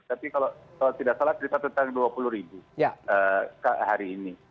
tapi kalau tidak salah cerita tentang dua puluh ribu hari ini